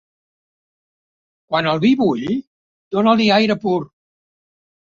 Quan el vi bull, dona-li aire pur.